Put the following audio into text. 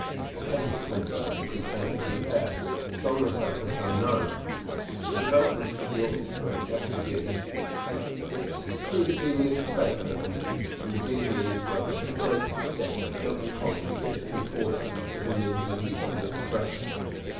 Orchestral concerts were comparatively rare, song recitals unknown. The development of the orchestra was just beginning, through the genius of Beethoven, and the Viennese were to a great extent, still unconscious of its importance, as a means of musical expression.